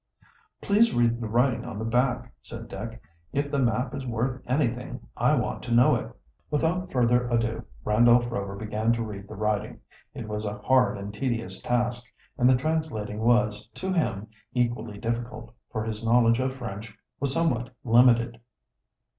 "Please read the writing on the back," said Dick. "If the map is worth anything I want to know it." Without further ado Randolph Rover began to read the writing. It was a hard and tedious task, and the translating was, to him, equally difficult, for his knowledge of French was somewhat limited.